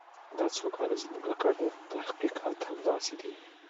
دا څو کاله زموږ اکاډمیک تحقیقات همداسې دي.